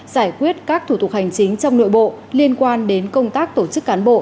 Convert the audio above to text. giải quyết các thủ tục hành chính trong nội bộ liên quan đến công tác tổ chức cán bộ